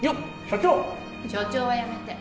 所長はやめて。